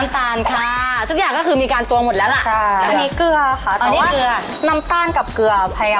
น้ำตาลค่ะทุกอย่างก็คือมีการตัวหมดแล้วล่ะค่ะ